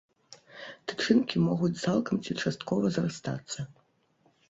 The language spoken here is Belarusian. Тычынкі могуць цалкам ці часткова зрастацца.